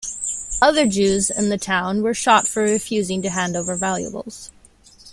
Other Jews in the town were shot for refusing to hand over valuables.